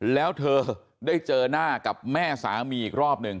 แล้วเธอได้เจอหน้ากับแม่สามีอีกรอบหนึ่ง